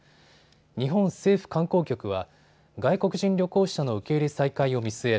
日本政府観光局は外国人旅行者の受け入れ再開を見据え